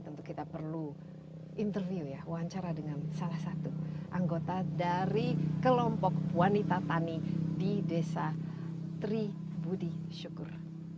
tentu kita perlu interview ya wawancara dengan salah satu anggota dari kelompok wanita tani di desa tribudi syukur